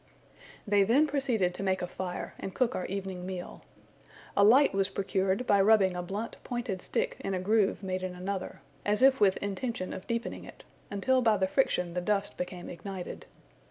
They then proceeded to make a fire, and cook our evening meal. A light was procured, by rubbing a blunt pointed stick in a groove made in another, as if with intention of deepening it, until by the friction the dust became ignited.